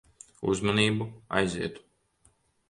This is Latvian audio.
Uzmanību. Aiziet.